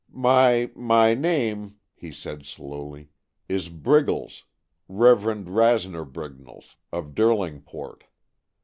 "My my name," he said slowly, "is Briggles Reverend Rasmer Briggles, of Derlingport.